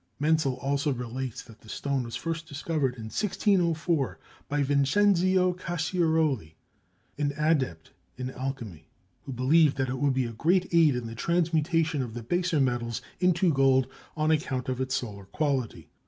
Mentzel also relates that the stone was first discovered, in 1604, by Vincenzio Casscioroli, an adept in alchemy, who believed that it would be a great aid in the transmutation of the baser metals into gold, on account of its solar quality.